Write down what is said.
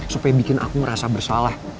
supaya bikin aku merasa bersalah